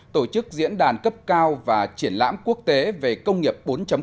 tổ chức diễn đàn cấp cao và triển lãm quốc tế về công nghiệp bốn